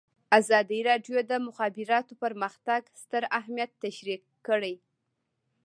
ازادي راډیو د د مخابراتو پرمختګ ستر اهميت تشریح کړی.